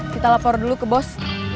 kita lapor dulu ke bos